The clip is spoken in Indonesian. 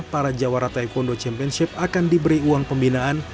para jawara taekwondo championship akan diberi uang pembinaan